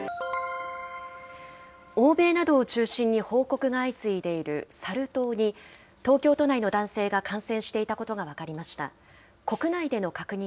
欧米などを中心に報告が相次いでいるサル痘に、東京都内の男性が感染していたことが分かりました。